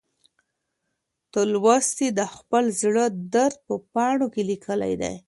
تولستوی د خپل زړه درد په پاڼو کې لیکلی دی.